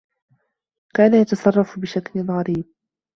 كان يتصرّف بشكل غريب.